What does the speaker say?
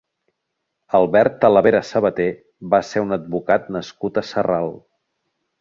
Albert Talavera Sabater va ser un advocat nascut a Sarral.